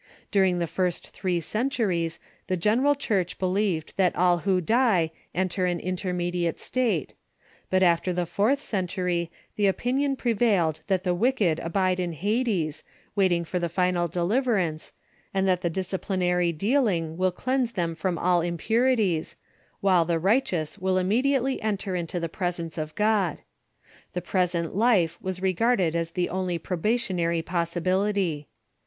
During the first three centuries the general Church believed that all who die enter an intermediate state ; but after the fourth century the opinion prevailed that the Avicked abide in Hades waiting for the final deliverance, and that the dis ciplinary dealing will cleanse them from all impurities, while the righteous will immediately enter into the presence of God. The present life was regarded as the only probationary possibility.